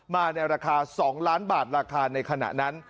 มาในราคา๒ล้านบาทราคาในขณะนั้น